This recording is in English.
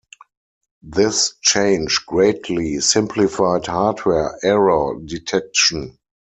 This change greatly simplified hardware error detection.